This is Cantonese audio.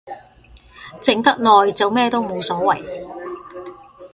靜得耐就咩都冇所謂